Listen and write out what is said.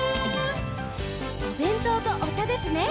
「おべんとうとおちゃですね